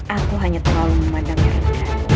aku hanya terlalu memandangnya rendah